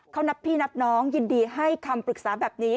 เขานับพี่นับน้องยินดีให้คำปรึกษาแบบนี้